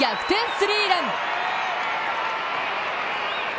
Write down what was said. スリーラン！